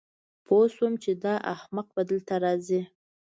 پوه شوم چې دا احمق به دلته راځي